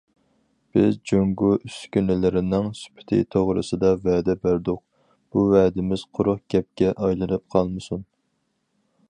بىز جۇڭگو ئۈسكۈنىلىرىنىڭ سۈپىتى توغرىسىدا ۋەدە بەردۇق، بۇ ۋەدىمىز قۇرۇق گەپكە ئايلىنىپ قالمىسۇن.